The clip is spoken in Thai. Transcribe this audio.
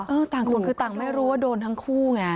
ต่างคนคือต่างไม่รู้ว่าโดนทั้งคู่ไง